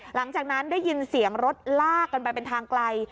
หลังจากนั้นได้ยินเสียงรถลากกันไปเป็นทางไกล